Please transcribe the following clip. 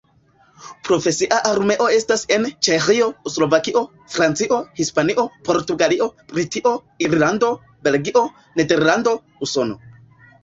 Profesia armeo estas en: Ĉeĥio, Slovakio, Francio, Hispanio, Portugalio, Britio, Irlando, Belgio, Nederlando, Usono.